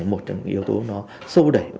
một trong những yếu tố nó sâu đẩy